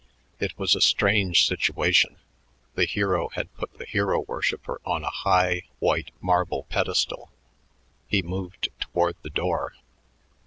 It was a strange situation; the hero had put the hero worshiper on a high, white marble pedestal. He moved toward the door.